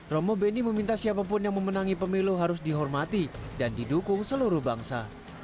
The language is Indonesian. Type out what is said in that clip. romo beni meminta siapapun yang memenangi pemilu harus dihormati dan didukung seluruh bangsa